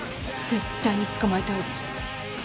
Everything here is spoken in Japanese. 絶対に捕まえたいです。